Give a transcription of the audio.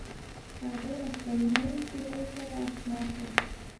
هغه له خپلې نوې څېرې سره اشنا شو.